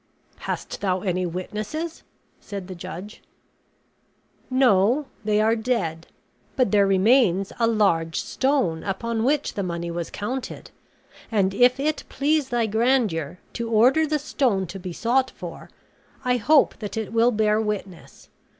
"Hast thou any witnesses?" said the judge. "No, they are dead; but there remains a large stone upon which the money was counted; and if it please thy grandeur to order the stone to be sought for, I hope that it will bear witness.